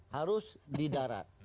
harus di darat